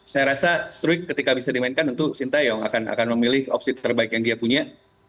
saya rasa street ketika bisa dimainkan tentu sintayong akan memilih opsi terbaik yang dia punya